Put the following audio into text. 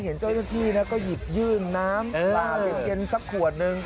เห็นเจ้าหน้าที่ก็หยิบยื่นน้ำปลาเหล็กเย็นสักขวดนึง